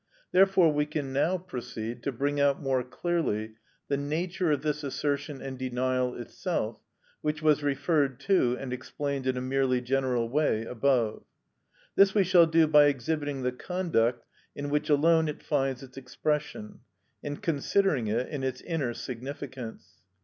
Therefore we can now proceed to bring out more clearly the nature of this assertion and denial itself, which was referred to and explained in a merely general way above. This we shall do by exhibiting the conduct in which alone it finds its expression, and considering it in its inner significance.